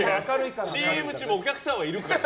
ＣＭ中もお客さんはいるから。